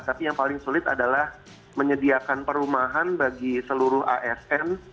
tapi yang paling sulit adalah menyediakan perumahan bagi seluruh asn